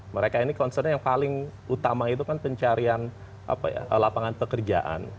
mereka ini concern yang paling utama itu kan pencarian lapangan pekerjaan